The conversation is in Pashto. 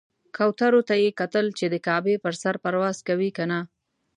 کوترو ته یې کتل چې د کعبې پر سر پرواز کوي کنه.